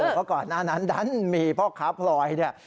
เพราะก่อนหน้านั้นดันมีพ่อค้าพลอยเนี่ย